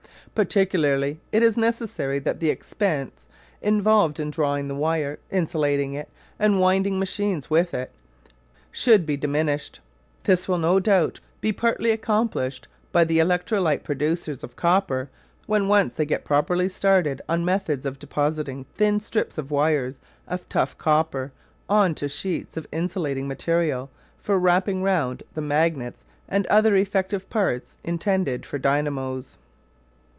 Particularly it is necessary that the expense involved in drawing the wire, insulating it, and winding machines with it, should be diminished. This will no doubt be partly accomplished by the electrolytic producers of copper when once they get properly started on methods of depositing thin strips or wires of tough copper on to sheets of insulating material for wrapping round the magnets and other effective parts intended for dynamos.